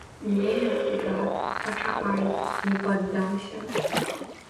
Не, брат, пачакай, не паддамся.